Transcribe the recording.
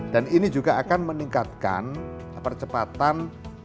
dan ini juga akan meningkatkan percepatan